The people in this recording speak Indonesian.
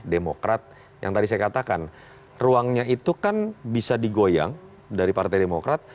demokrat yang tadi saya katakan ruangnya itu kan bisa digoyang dari partai demokrat